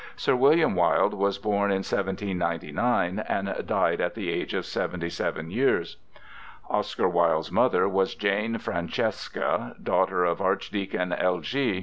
Sir William Wilde was born in 1799, and died at the age of seventy seven years. Oscar Wilde's mother was Jane Francesca, daughter of Archdeacon Elgee.